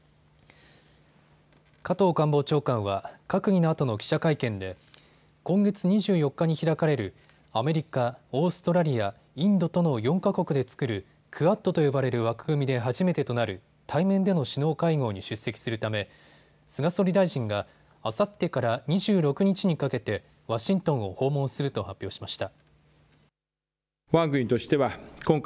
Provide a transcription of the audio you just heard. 加藤官房長官は閣議のあとの記者会見で今月２４日に開かれるアメリカ、オーストラリア、インドとの４か国で作るクアッドと呼ばれる枠組みで初めてとなる対面での首脳会合に出席するため菅総理大臣が、あさってから２６日にかけてワシントンを訪問すると発表しました。